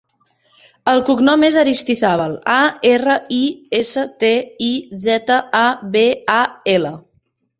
El cognom és Aristizabal: a, erra, i, essa, te, i, zeta, a, be, a, ela.